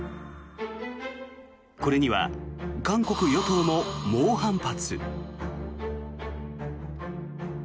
これには韓国与党も猛反発。